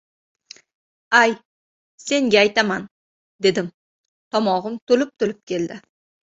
— Ay, senga aytaman? — dedim. Tomog‘im to‘lib-to‘lib keldi...